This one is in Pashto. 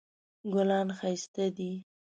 ګلان ښایسته دي